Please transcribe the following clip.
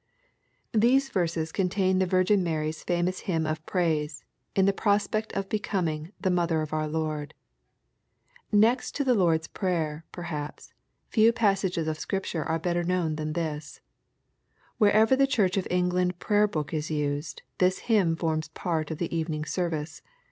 These verses contaiD the Virgin Mary's famous hymn of praise, in the prospect of becoming the " mother of our Lord." — ^Next to the Lord's Prayer, perhaps, few passages of Scripture are better known than thisL Wherever the Church of England Prayer book is used, this hymn forms part of the evening service.